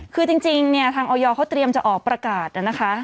คือจริงเนี่ยทางออยเขาเตรียมจะออกประกาศนะคะ